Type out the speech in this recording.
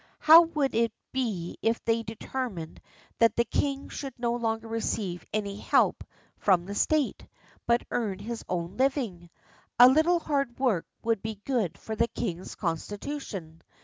How would it be if they determined that the king should no longer receive any help from the State, but earn his own living? A little hard work would be good for the king's constitution.